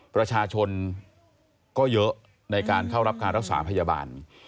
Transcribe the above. ประชาชนก็เยอะในการเข้ารับการรักษาพยาบาล